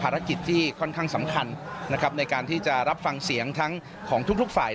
และก็จะรับฟังเสียงทั้งของทุกฝ่าย